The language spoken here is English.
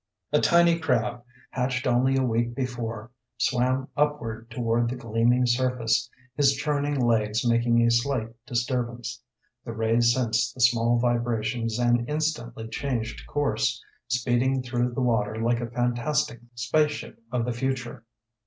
A tiny crab, hatched only a week before, swam upward toward the gleaming surface, his churning legs making a slight disturbance. The ray sensed the small vibrations and instantly changed course, speeding through the water like a fantastic spaceship of the future.